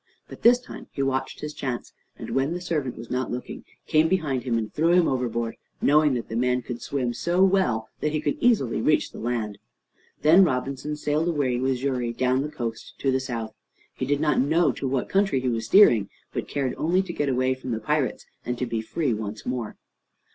But this time he watched his chance, and when the servant was not looking, came behind him and threw him overboard, knowing that the man could swim so well that he could easily reach the land. Then Robinson sailed away with Xury down the coast to the south. He did not know to what country he was steering, but cared only to get away from the pirates, and to be free once more.